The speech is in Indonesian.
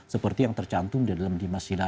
seperti yang tercantum di dalam dimas sida